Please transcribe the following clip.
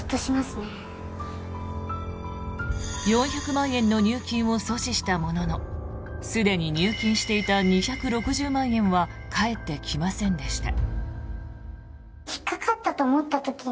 ４００万円の入金を阻止したもののすでに入金していた２６０万円は返ってきませんでした。